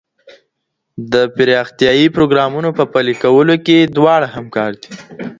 د پراختيايي پروګرامونو په پلي کولو کي دواړه همکار دي.